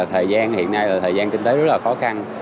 thời gian hiện nay thời gian kinh tế rất là khó khăn